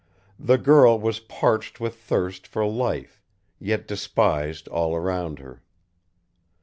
The girl was parched with thirst for life, yet despised all around her.